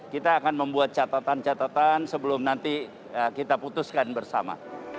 kita akan membuat catatan catatan sebelum nanti kita putuskan bersama